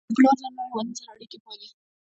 ډيپلومات له نورو هېوادونو سره اړیکي پالي.